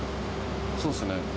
そうですね。